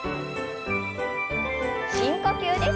深呼吸です。